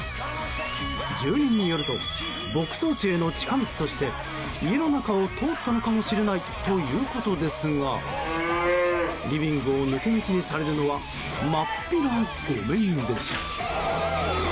住人によると牧草地への近道として家の中を通ったのかもしれないということですがリビングを抜け道にされるのはまっぴらごめんです。